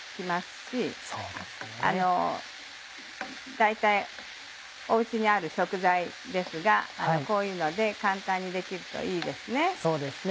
大体お家にある食材ですがこういうので簡単にできるといいですね。